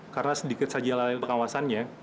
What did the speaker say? karena sedikit saja lalai pengawasannya